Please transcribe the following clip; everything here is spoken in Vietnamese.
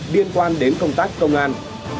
liên quan đến công tác công an